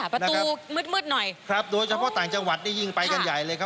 ประตูมืดหน่อยครับโดยเฉพาะต่างจังหวัดนี่ยิ่งไปกันใหญ่เลยครับ